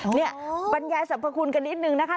เนี่ยบรรยายสรรพคุณกันนิดนึงนะคะ